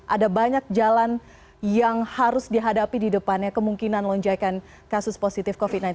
ada banyak jalan yang harus dihadapi di depannya kemungkinan lonjakan kasus positif covid sembilan belas